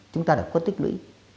chúng ta đã cốt tích lưỡi